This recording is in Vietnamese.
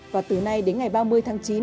và từ nay đến ngày ba mươi tháng chín